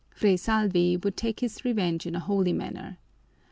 Fray Salvi would take his revenge in a holy manner.